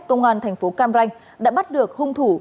công an thành phố cam ranh đã bắt được hung thủ